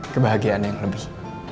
kebahagiaan yang lebih